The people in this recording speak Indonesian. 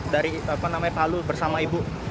dari palu bersama ibu